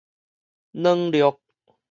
軟略